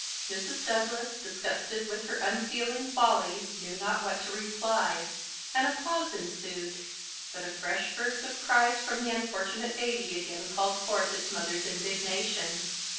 Mrs Douglas, disgusted with her unfeeling folly, knew not what to reply, and a pause ensued; but afresh burst of cries from the unfortunate baby again called forth its mother's indignation.